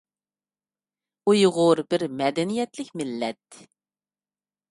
ئۇيغۇر بىر مەدەنىيەتلىك مىللەت.